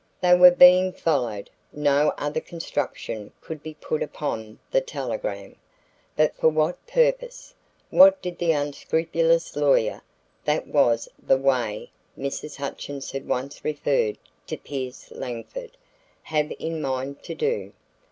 They were being followed! No other construction could be put upon the telegram. But for what purpose? What did the unscrupulous lawyer that was the way Mrs. Hutchins had once referred to Pierce Langford have in mind to do?